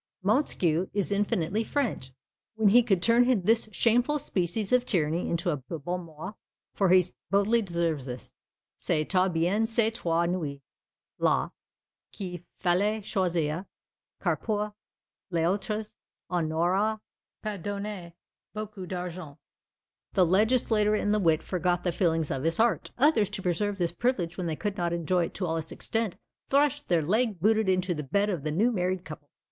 Montesquieu is infinitely French, when he could turn this shameful species of tyranny into a bon mot; for he boldly observes on this, "C'étoit bien ces trois nuits là, qu'il falloit choisir; car pour les autres on n'auroit pas donné beaucoup d'argent." The legislator in the wit forgot the feelings of his heart. Others, to preserve this privilege when they could not enjoy it in all its extent, thrust their leg booted into the bed of the new married couple.